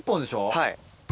はい。